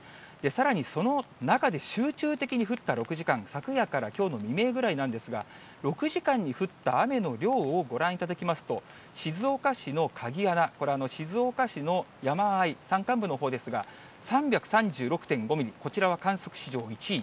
さらにその中で、集中的に降った６時間、昨夜からきょうの未明ぐらいなんですが、６時間に降った雨の量をご覧いただきますと、静岡市の鍵穴、これ、静岡市の山あい、山間部のほうですが、３３６．５ミリ、こちらは観測史上１位。